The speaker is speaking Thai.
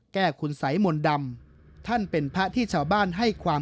แก้คุณสัยมนต์ดำท่านเป็นพระที่ชาวบ้านให้ความ